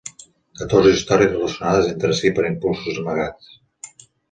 Catorze històries relacionades entre si per impulsos amagats.